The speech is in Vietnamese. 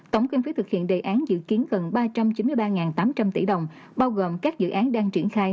tổng kinh phí thực hiện đề án dự kiến gần ba trăm chín mươi ba tám trăm linh tỷ đồng bao gồm các dự án đang triển khai